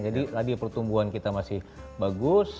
jadi tadi pertumbuhan kita masih bagus